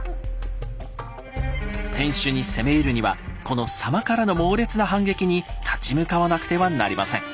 天守に攻め入るにはこの狭間からの猛烈な反撃に立ち向かわなくてはなりません。